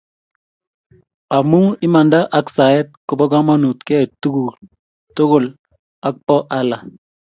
Amu imanta ak sae ko bo komonut keyoe tugul togul ak bo Allah.